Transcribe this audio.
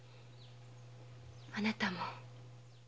あなたも。